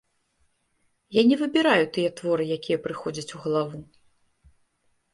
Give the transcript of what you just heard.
Я не выбіраю тыя творы, якія прыходзяць у галаву.